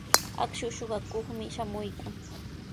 Akshu suqakuqmi shamuykan.